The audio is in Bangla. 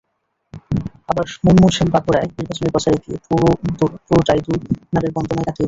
আবার মুনমুন সেন বাঁকুড়ায় নির্বাচনী প্রচারে গিয়ে পুরোটাইদুই নারীর বন্দনায় কাটিয়ে দিচ্ছেন।